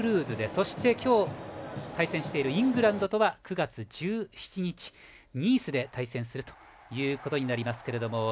そして、今日対戦しているイングランドとは９月１７日、ニースで対戦するということになります。